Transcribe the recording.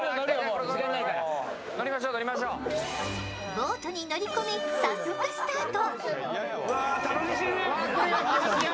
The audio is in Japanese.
ボートに乗り込み、早速スタート。